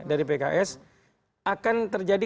dari pks akan terjadi